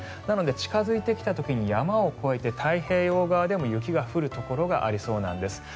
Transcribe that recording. なので近付いてきた時に山を越えて太平洋側でも雪が降るところがありそうなんです。